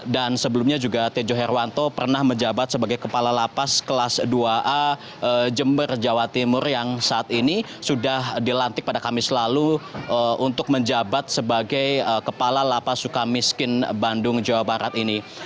dan sebelumnya juga tejo herwanto pernah menjabat sebagai kepala lapa suka miskin kelas dua a jember jawa timur yang saat ini sudah dilantik pada kamis lalu untuk menjabat sebagai kepala lapa suka miskin bandung jawa barat ini